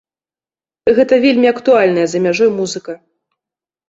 Гэта вельмі актуальная за мяжой музыка.